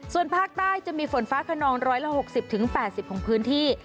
ส่วนภาคใต้จะมีฝนฟ้าขนอง๑๖๐๘๐ของพื้นที่